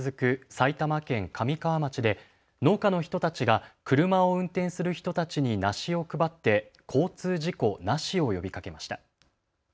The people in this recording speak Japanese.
埼玉県神川町で農家の人たちが車を運転する人たちに梨を配って交通事故ナシを呼びかけました。